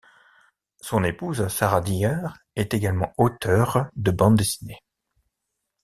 Son épouse Sarah Dyer est également auteure de bande dessinée.